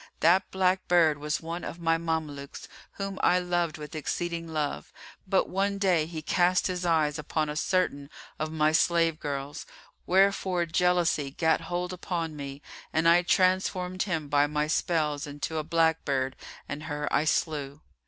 That black bird was one of my Mamelukes, whom I loved with exceeding love; but one day he cast his eyes upon a certain of my slave girls, wherefore jealousy gat hold upon me and I transformed him by my spells into a black bird and her I slew.